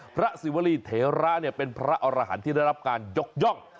พระศิวรีเทระเป็นพระอรหันต์ที่ได้รับการยกย่อง